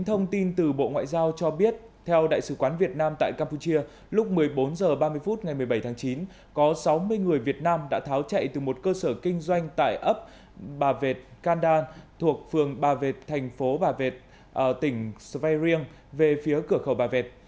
thông tin từ bộ ngoại giao cho biết theo đại sứ quán việt nam tại campuchia lúc một mươi bốn h ba mươi phút ngày một mươi bảy tháng chín có sáu mươi người việt nam đã tháo chạy từ một cơ sở kinh doanh tại ấp bà vẹt kandan thuộc phường ba vệt thành phố bà vẹt tỉnh sveing về phía cửa khẩu bà vẹt